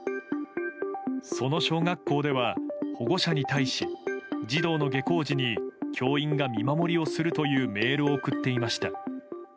その小学校では保護者に対し児童の下校時に教員が見守りをするというメールを送っていました。